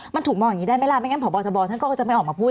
มันถูกมองอย่างนี้ได้ไหมล่ะไม่งั้นพบทบท่านก็จะไม่ออกมาพูด